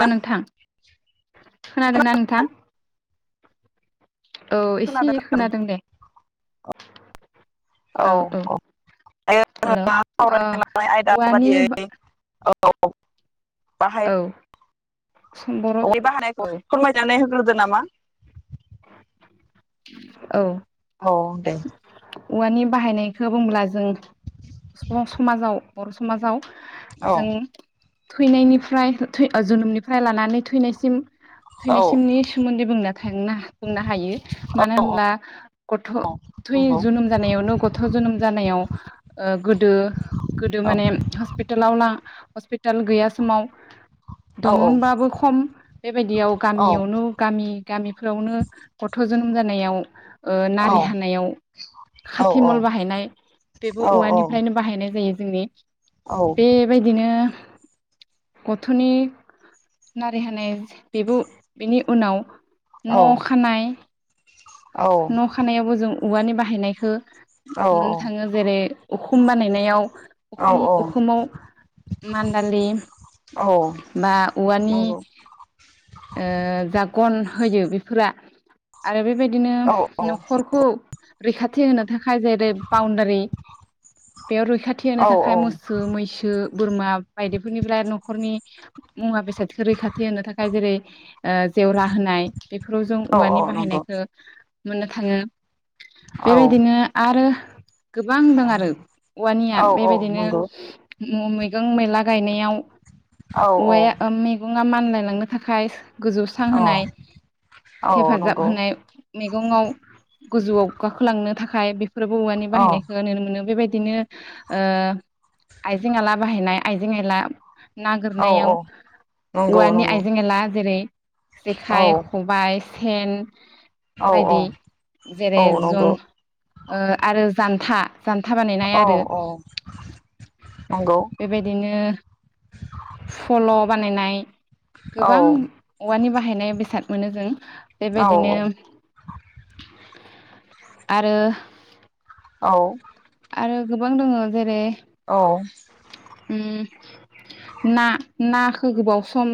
[unintelligible] नोंथां खोनादोंना नोंथां औ एसे खोनादों खादों दे औ औ [unintelligible] हेल' अ लानाय आयदा औवानि बादियै औ औ बाहाय औ बर' [unintelligible] बाहायनायखौ औ फोरमायनानै ग्रोदो नामा? औ औ दे औवानि बाहायनायखौ बुंब्ला जों समाजाव बर' समाजाव औ जों थैनायनिफ्राय थ जोनोमनिफ्राय लानानै थैनायसिम औ थैनायसिमनि सोमोन्दै बुंना थांना बुंनो हायो। मानो औ होनोमब्ला गथ औ थै नंगौ जोनोम जानायावनो गथ जोनोम जानायाव गोदो गोदो औ माने हसपिटेलाव लां [unintelligible] हसपिटाल गैया समाव औ दंमोनबाबो खम बेबायदियाव औ गामियावनो गामि गामिफ्रावनो गथ जोनोम जानायाव ओ औ नारि हानायाव औ खाथिमल बाहायनाय बेबो औ औवानिफ्रायनो बाहायनाय जायो। [unintelligible] बेबायदिनो गथनि नारि हानाय बेबो बेनि उनाव न खानाय न खानायावबो जों औवानि बाहायनायखो मोननो थाङो जेरै उखुम बानायनायाव उखुमाव मानदालि बा औवानि ओ जागन होयो बेफोरा आरो बेबायदि बिदिनो नखरखौ रैखाथि होनो थाखाय थाखाय जेरै बाउन्डारि बेयाव रैखाथि होनो थाखाय मोसौ मैसो बोरमा बायदिफोरनिफ्राय न'खरनि मुवा बेसादखौ रैखाथि होनो थाखाय जेरै ओ जेवरा होनाय बेफोराव जों औ औ औवानि नंगौ बाहायनायखौ मोननो थाङो। औ बेबायदिनो आरो गोबां दं आरो औवानिया औ औ नंगौ बेबायदिनो मैगं मैला गायनायाव औ औवाया [unintelligible] ना मानलायलांनो थाखाय गोजौ स्रां होनाय औ हेफाजाब नंगौ होनाय। मैगङाव गोजौआव गाखोलांनो थाखाय बे बेफोरबो औवानि औ बाहायनायखौ नुनो मोनो बेबायदि ओ बिदिनो आइजें आइला बाहायनाय आइजें -आइला। औ नंगौ औ नाागुरनायाव औ नंगौ औवानि नंगौ आइजें एला जेरै औ जेखाइ खबाय। सेन। औ बायदि औ औ जेरै जन नंगौ ओ आरो। जानथा। जान्था बानायनाय औ आरो औ नंगौ बेबायदिनो फल बानायनाय औ गोबां औवानि बाहायनाय बेसाद मोनो जों औ बेबायदिनो आरो औ। आरो गोबां दोङो जेरै औ। ओम ना नाखौ गोबाव सम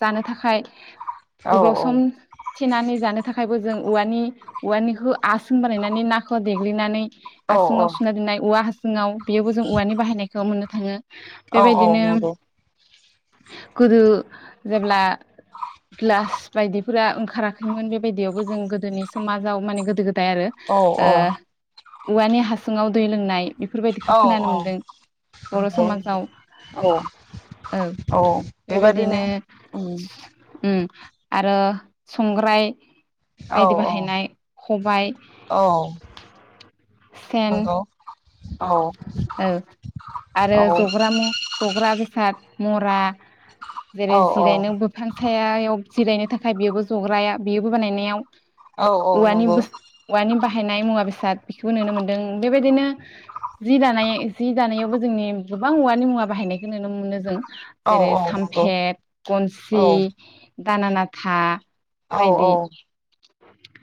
जानो थाखाय। औ गोबाव सम थिनानै जानो थाखायबो जों औवानि औवानिखौ आसोन बानायनानै नाखौ देग्लिनानै औ आसुङावसुना सोना दिनाय औवा हास सिङाव बेयावबो जों औवानि बाहायनायखौ मोनो। थाङो। औ औ बेबायदिनो नंगौ। गोदो जेब्ला गिलास बायदिफोरा ओंखाराखैमोन बेबायदियावबो जों गोदो गोदोनि समाजाव माने गोदो गोद थायो आरो औ ओ औवानि हासुङाव दै लोंनाय। बेफोरबायदिखौ औ खोनानो औ मोन्दों बर नंगौ समाजाव औ औ बेबायदिनो उम ओम आरो संग्राय। औ बायदि औ बाहायनाय खबाय औ सेन नंगौ औ औ आरो जग्रा मु जग्रा बे साद मरा औ जेरै जिरायनोबो फांसायाव जिरायनो थाखाय खाय बियोबो जग्राया बेयोबो बानायनायाव औ औ औवानि नंगौ बोस औवानि बाहेर हायनाय मुवा बेसाद बेखौबो नुनो मोन्दों। बेबायदिनो जि दानाय जि दानायावबो जोंनि गोबां औवानि मुवा बाहायनायखौ नुनो मोनो जों। औ जेरै औ नंगौ सामफेद औ खनसि दानानाथा औ औ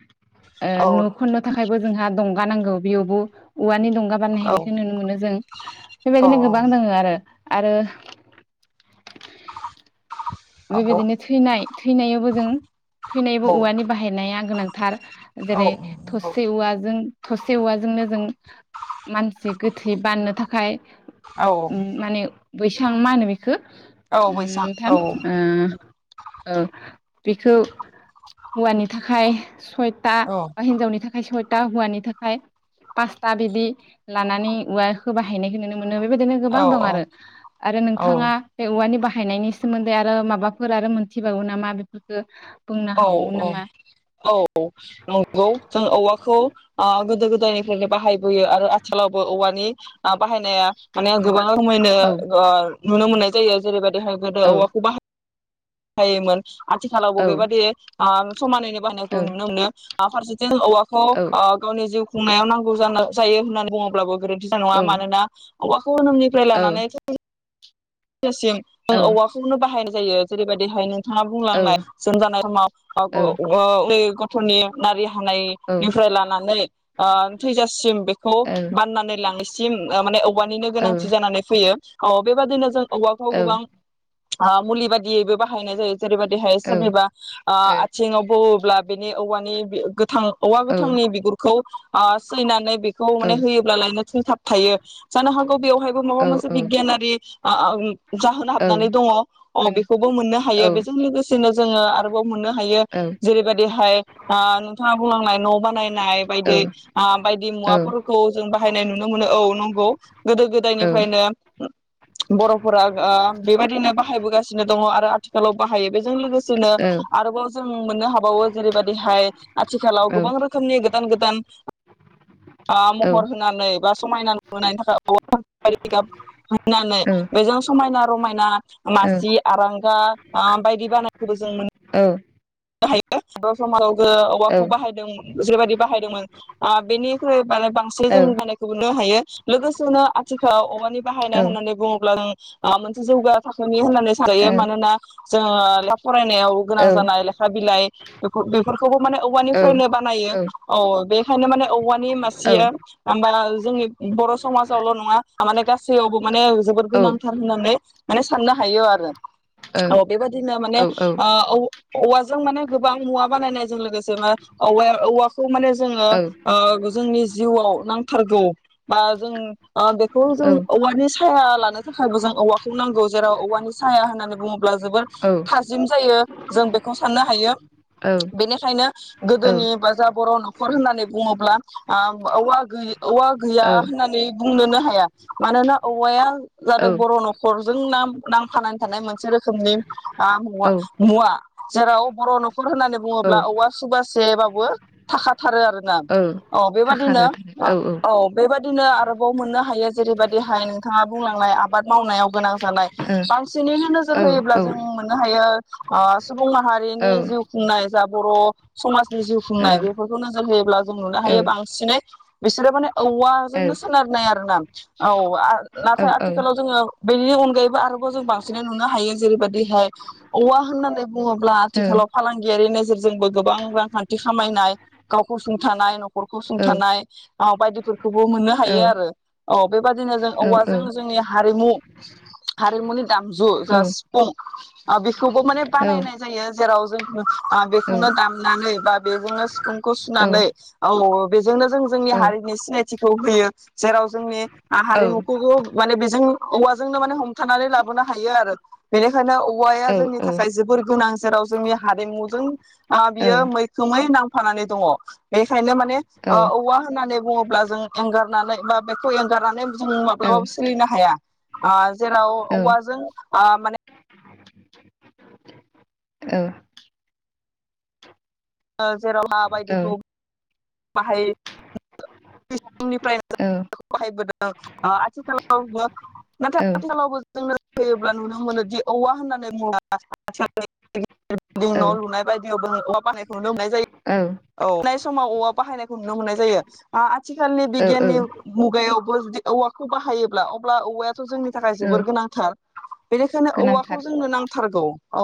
[inaudible] ओ नु खनो थाखा खायबो जोंहा दंगा नांगौ बेयावबो औवानि दं। [unintelligible] खोनानो मोनो जों औ बेबायदिनो गोबां दङ आरो। आरो बेबायदिनो थैनाय थैनायावबो जों थैनायावबो औवानि बाहायनाया गोनां थार जेरै औ नंगौ थसे औवाजों थसे औवाजोंनो जों मानसि गोथै बाननो थाखाय औ ओ माने बैसां मा होनो बेखौ खौ ओम औ बैसां नोंथां औ ओ औ बेखौ हौवानि थाखाय सयथा औ बा हिनजावनि थाखाय सयथ ता हौवानि थाखाय पासता बिदि लानानै औवाखौ बाहायनाय नुनो मो नों बेबायदिनो औ गोबां दं आरो आरो औ नोंथाङा बे औवानि बाहाय फायनायनि सोमोन्दै फ्राय आरो माबाफोर आरो मोनथिबावो नामा बेफोरखौ बुंनो औ हाबावगोन औ नामा औ नंगौ जों औवाखौ ओ गोदो गो दायनिफ्रायनो बाहायबोयो। आरो आथिखालावबो औवानि बाहायनाया माने गोबां रोमैनो औ ओ नुनो मोननाय जायो जेरैबादि दिहाय गोदो औ औवाखौ बाहाय हायोमोन। आथिखालाव औ बबेबा आ समानैनो औ बाहायनायखौ नुनो मोनो। आ फारसेथि औवाखौ औ ओ गावनि जिउ खुंनायाव नांगौ जाना जायो होननानै बुङोब्लाबो गोरोन थि नङा औ मानोना औवाखौ जोनोमनिफ्राय औ लानानै थैजासिम औवाखौनो बाहायनाय जायो जेरैबायदि हायनो मा बुंलांनाय जोनोमजानाय समाव औ [unintelligible] ग'थनि नारि औ हानायनिफ्राय लानानै ओ थैजासिम बेखौ औ बाननानै लांनाय सिम माने औ औवानिनो गोनांथि जानानै फैयो। अ बेबादिनो जों औवाखौ औ गोबां हा मुलि बादि यैबो बाहायनाय जायो जेरैबादिहाय औ सोरनिबा ओ आथिंआव बौओब्ला बेनि औवानि थां औवा औ गोथांनि बिगुरखौ अ सैनानानै बेखौ माने होयोब्लालायनो थै थाबथायो। जानो हा गौ बेवहायबो माबा मोनसे बिगियानारि आ जाहोन हाबनानै दङ ओ बेखौबो मोननो हायो बेजों लोगोसेनो जोङो आरोबाव मोननो हायो जेरैबायदिहाय आ नोंथाङा बुंलांनाय न' बानायनाय बायदि आ बायदि मुवाफोरखौ जों बाहायनाय नुनो मोनो औ। नंगौ गोदो गोदायनिफ्रायनो बर' फोरा ओ बेबायदिनो बाहायबोगासिनो दङ आरो आथिखालाव बाहायो बेजों लोगोसे नो औ आरोबाव जों मोननो हाबावो जेरैबायदिहाय आथिखालाव औ गोबां रोखोमनि गोदान गो दान आ थाखारो औ महर होनानै बा समायना होनायनि थाखाय [unintelligible] बेजों समायना रमायना मासि आरांगा आ बायदि बानायखौबो जों मोनो बाहायो बे समखौ गोऔवाखौ बाहायदोंमोन जैबायदि बाहायदोंमोन आ बेनिख्रुइ माने बांसिन जों बानायखौबोुनो हायो लोगोसेनो आथिखालाव औवानि औ बाहायनाय होननानै बुङोब्ला ब्ला जों आ मोनसे जौगा थाखोनि होननानै सानजायो मानोना जोङो [unintelligible] फरायनाय गोनां जानलाय बिलाइ बेखौ बेफोर खौबो माने औवानिफ्रायनो बानायो औ बे खौ माने औवा नि मासिया [unintelligible] जोंनि बर समाजावल नङा माने गासैयावबो माने जोबोद गोनांथार होननानै माने साननो हायो आरो औ बे बदि माने ओं औ औवा जों मने गोबां मुवा बानायनायजों लोगोसे औवाऔवाखौ माने जोङो ओ जोंनि जिउआव नांथारगौ बा जों ओ बेखौ जों औवानि साया लानो थाखायबो जों औवाखौ नांगौ जेराव औवानि साया होननानै बुङो ब्ला जोबोर थाजिम जायो जों बे खौ साननो हायो बेनिखायनो गोदोनि बा जा बर नखर होननानै बुङोब्ला आ औवा गौ औवा गैया होननानै बुंनोनो हाया मानोना औवाया जादों बर नखरजों नां नांफानानै थानाय मोनसे रोखोमनि आ मुव मुवा जेराव बर नखर होननानै बुङोब्ला औवा सुबासेबाबो थाखाथारो आरो ना औ बेबादिनो ओ औ बेबा दिनो आरोबाव मोननो हायो जेरैबायदिहाय नोंथाङा बुंलांनाय आबाद मावनायाव गोनां जानाय बां सिननै नोजोर होयोब्ला जों मोननो हायो ओ [unintelligible] हारिनि जिउ खुंनाय जा बर' समाजनि जिउ खुंनाय बेफोरखौ नोजोर होयोब्ला जों नुनो हायो बांसिनै बिसोरो माने औवाजोंनो सोनारनाय आरो ना औ नाथाय आथिखालाव जोङो बेनि अनगायैबो आरो जों बांसिनै नुनो हायो। जेरैबायदिहाय औवा होननानै बुङोब्ला आथिखालाव फालांगियारि गेजेरजोंबो गोबां रांखान्थि खामायनाय गावखौ सुंथानाय न' खरखौ सुंथानाय आ बायदिफोर खौबो मोननो हायो आरो औ बेबादिनो जों औवाजों जोंनि हारिमु हारिमुनि दामजु जा सिफुं आ बेखौबो मा बानायनाय जायो। जेराव जोंङो आ बेखौनो दामनानै बा बेजोंनो सिफुंखौ सुनानै औ [unintelligible] जोंनो जों जोंनि हारिनि सिनाय थिखौ होयो। जेराव जोंनि हा-हारिमुखौबो माने बेजों औवाजोंनो माने हमथानानै लाबोनो हायो आरो बेनिखायनो औ वाया जोंनि था खाय जोबोर गोनां जेराव जोंनि हारिमुजों ओ बियो मैखोमै नां फानानै दङ'। बेखायनो माने ओ औवा होननानै बुङोब्ला जों एंगारनानै बा बेखौ एंगारनानै जों माब्लाबाबो सोलिनो हाया। आ जेराव औवाजों आ माने औ ओ जेराव ला बायदिखौ बाहाय [inaudible] बाहायबोदों ओ आथिखालावबो नाथाय आथिखालावबो जोंनो होयोब्ला नुनो मोनोदि औवा होननानै मुवा [unintelligible] [inaudible] न' लुनाय बायदियावबो औवा बाहाय नुनो मोननाय जायो औ नाय समाव औवा बाहायनायखौ नुनो मोननाय जायो आ आथिखालनि औ औ बिगियाननि मुगायाव बो जुदि औवाखौ बाहायोब्ला अब्ला औवा थ' जोंनि थाखाय ओ जोबोर गोनांथार बेनिखायनो औवाखौ गोनांथार जोंनो नां थारगौ औ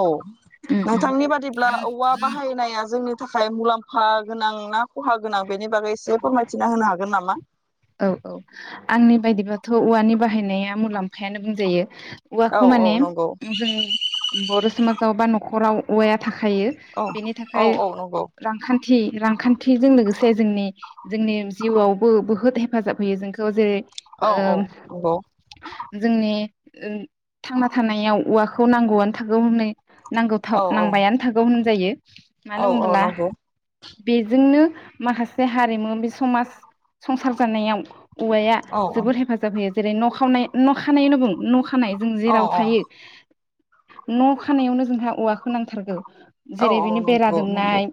उम उम नोंथांनि बादिब्ला औवा बाहायनाया नि थाखाय मुलाम्फा गोनां ना खहा गोनां बेनि बागै एसे फोरमायथिना होनो हागोन नामा? औ औ आंनि बायदिबाथ' औवानि बाहायनाया मुलाम्फायानो बुंजायो औ औवाखौ माने औ नंगौ उम जों बर समाज बा नखराव औवाया था खायो औ बेनि औ थाखाय औ नंगौ रांखान्थि रांखान्थिजों लोगोसे जोंनि जोंनि जिउआवबो बुहुत हे फाजाब होयो जोंखौ जेरै औ औ ओम नंगौ जोंनि ओ थांना थानायाव औवाखौ नांगौआनो थागौ हनै नांगौ थाव औ औ नांबायानो थागौ होन जायो औ मानो औ बुंबोला नंगौ बेजोंनो माखासे हारिमु बे समाज संसार जानायाव औवाया औ जोबद हेफाजाब होयो जेरै न खावनाय न' खानायनो बुं न खा खानाय जों औ जेराव थायो न' खानायावनो जोंहा औवाखौ नांथारगौ औ जेरै औ बेनि बेरा नंगौ नंगौ दुमनाय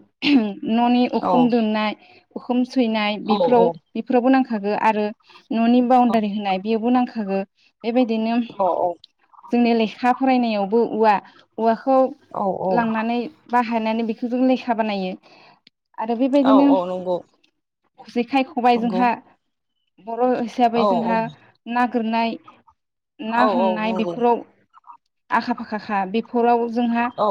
न'नि औ उखुम दुमनाय उखुम सैनाय औ औ बेफोराव खो नांखागो आरो न'नि औ बाउण्डारि होनाय बेयावबो नांखा थागो बेबायदिनो जोंनि लेखा फरायनायावबो औवा औवाख खौ औ लांनानै बाहायनानै बेखौ जों लेखा बानायो आरो औ बेबायदिनो औ नंगौ जेखाय खबबायजों नंगौ हा। बर' हिसाबै औ जोंहा ना गोरनाय ना औ औ हमनाय नंगौ बेफोराव आखा फाखाखा बे नखराव जोंहा औ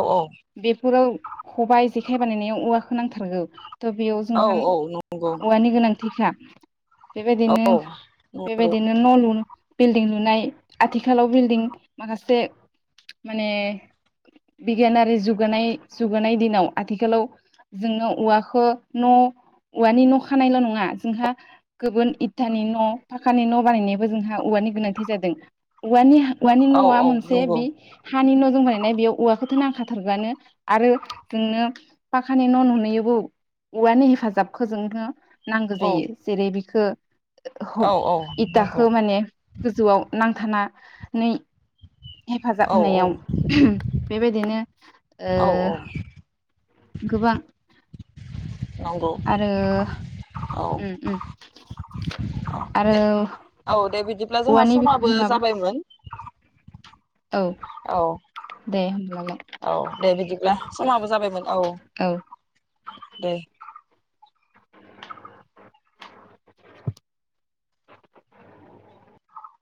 बेफोराव खबाइ जेखाइ बानायनायाव औवाखौ नांथारगौ। थ' बेयाव औ जोंहा औ नंगौ औवानि गोनांथिखा। बेबायदिनो बेबायदिनो न' लु बिल्दिं लुनाय आथिखालाव बिल्दिं माखासे माने बिगियानारि जुगानाय जुगोनाय दिनाव आथिखालाव जोंनो औवाखौ न' औवानि न' खानायल' नङा जोंहा गुबुन इदथानि न' फाखानि न' बानायनायबो जोंहा औवानि गोनांथि जादों औवानि औवानि औ न'आ मोनसे नंगौ बे हानि न'जों बानायनाय बेयाव औवाखौ नांखाथारगौआनो आरो जोंनो पाखानि न लुयोबो औवानि हेफाजाबखौ जोंनो नांगौ जायो। औ बिखौ औ नंगौ औ औ नंगौ इथाखौ माने गोजौआव नां थानानै औ हेफाजाब होनायाव बेबायदि बिदिनो- औ औ ओ गोबां नंगौ आरो औ उम उम आरो औ दे बिदिब्ला जोंहा औवानि समाबो बिखहाय माबा जाबायमोन औ औ दे होमब्लालाय औ दे बिदिब्ला समाबो जाबायमोन औ औ दे।